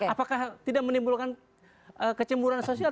apakah tidak menimbulkan kecemburan sosial